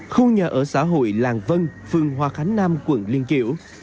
khu nhà ở xã hội làng vân phương hoa khánh nam quận liên kiểu